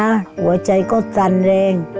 หัวใจก็สันรัง